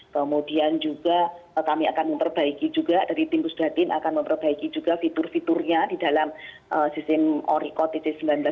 kemudian juga kami akan memperbaiki juga dari tim pusdatin akan memperbaiki juga fitur fiturnya di dalam sistem orikot sembilan belas